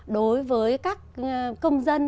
đối với các công dân